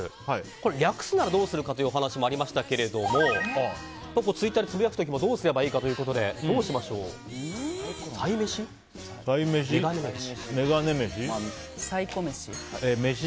これ略すならどうするかというお話もありましたけれどもツイッターでつぶやく時もどうすればいいかということでサイ飯？